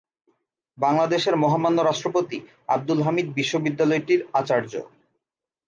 বাংলাদেশের মহামান্য রাষ্ট্রপতি আব্দুল হামিদ বিশ্ববিদ্যালয়টির আচার্য।